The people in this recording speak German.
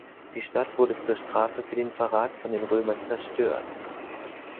Die Stadt wurde zur Strafe für den Verrat von den Römern zerstört.